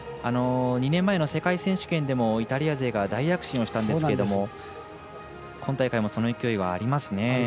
２年前の世界選手権でもイタリア勢が大躍進したんですが今大会もその勢いはありますね。